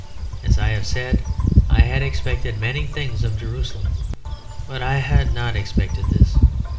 As I have said, I had expected many things of Jerusalem, but I had not expected this.